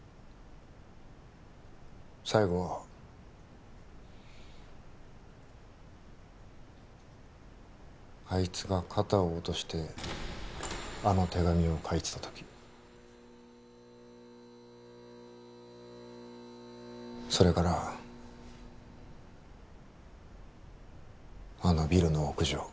最後はあいつが肩を落としてあの手紙を書いてた時それからあのビルの屋上